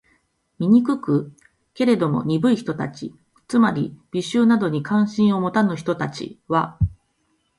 醜く？けれども、鈍い人たち（つまり、美醜などに関心を持たぬ人たち）は、